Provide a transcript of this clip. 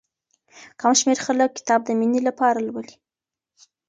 کم شمېر خلک کتاب د مينې لپاره لولي.